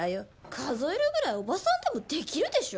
数えるぐらいおばさんでもできるでしょ。